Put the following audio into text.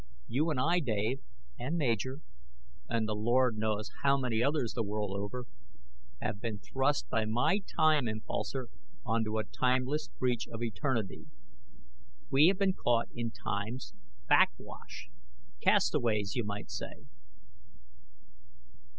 You and I, Dave, and Major and the Lord knows how many others the world over have been thrust by my time impulsor onto a timeless beach of eternity. We have been caught in time's backwash. Castaways, you might say."